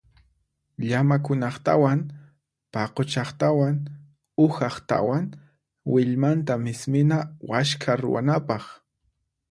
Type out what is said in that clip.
Llamakunaqtawan paquchaqtawan uhaqtawan willmanta mismina waskha ruwanapaq.